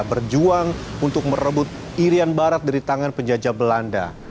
berjuang untuk merebut irian barat dari tangan penjajah belanda